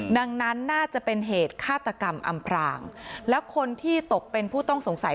ดังนั้นน่าจะเป็นเหตุฆาตกรรมอำพรางแล้วคนที่ตกเป็นผู้ต้องสงสัย